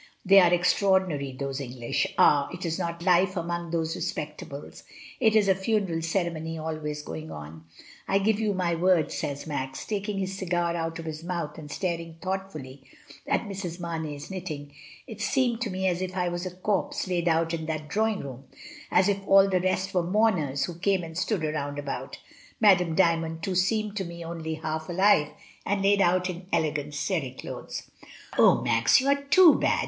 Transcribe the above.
They are extraordinary, those English. Ah! it is not life among those re spectables! it is a funeral ceremony always going on. I give you my word," says Max, taking his cigar out of his mouth and staring thoughtfully at Mrs. Mame/s knitting, "it seemed to me as if I DAY BY DAY. 261 was a corpse laid out in that drawing room, as if all the rest were mourners who came and stood round about. Madame Dymond too seemed to me only half alive, and laid out in elegant cere clothes." "Oh, Max, you are too bad!"